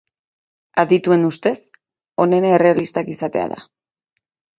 Adituen ustez, onena errealistak izatea da.